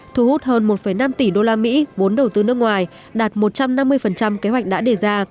thu hút hơn một năm tỷ usd vốn đầu tư nước ngoài đạt một trăm năm mươi kế hoạch đã đề ra